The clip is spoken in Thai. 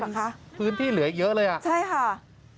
มันมีพื้นที่เหลืออีกเยอะเลยใช่ค่ะ